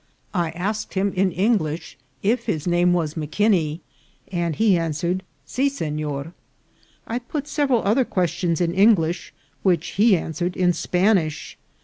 I asked him in English if his name was M'Kinney, and he answered " Si, senor." I put several other ques tions in English, which he answered in Spanish.